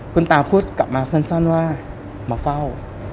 คุณตาพูดกลับมาสั้นว่ามาเฝ้า